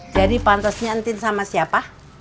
jadi pantasnya entin sama siapa